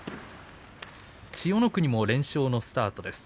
千代の国も連勝のスタートです。